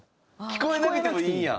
聴こえなくてもいいんや。